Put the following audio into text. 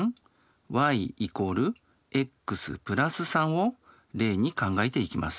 を例に考えていきます。